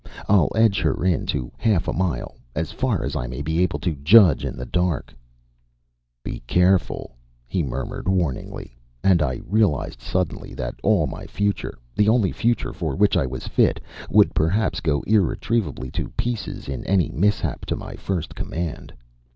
I'll edge her in to half a mile, as far as I may be able to judge in the dark " "Be careful," he murmured, warningly and I realized suddenly that all my future, the only future for which I was fit, would perhaps go irretrievably to pieces in any mishap to my first command.